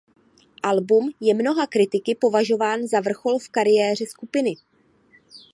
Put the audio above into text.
Album je mnoha kritiky považován za vrchol v kariéře skupiny.